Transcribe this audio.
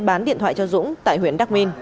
bán điện thoại cho dũng tại huyện đắk minh